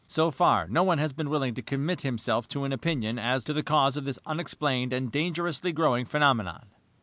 So far, no one has been willing to commit himself to an opinion as to the cause of this unexplained and dangerously growing phenomenon.